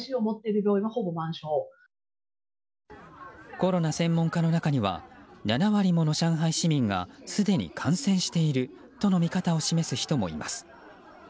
コロナ専門家の中には７割もの上海市民がすでに感染しているとの見方を示す人もいます。